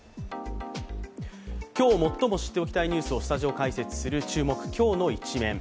今日、最も知っておきたいニュースをスタジオで解説する「きょうのイチメン」。